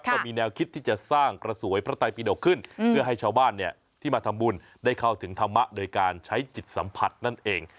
ก็มีแนวคิดที่จะสร้างกระสวยพระไตปิดกขึ้นเพื่อให้ชาวบ้านเนี่ยที่มาทำบุญได้เข้าถึงธรรมะโดยการใช้จิตสัมผัสนั่นเอง